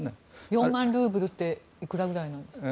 ４万ルーブルっていくらくらいなんですか？